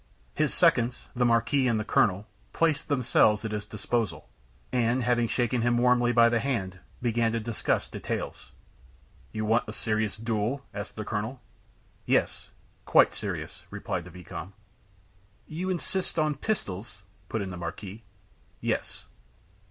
His seconds, the marquis and the colonel, placed themselves at his disposal, and, having shaken him warmly by the hand, began to discuss details. "You want a serious duel?" asked the colonel. "Yes quite serious," replied the vicomte. "You insist on pistols?" put in the marquis. "Yes."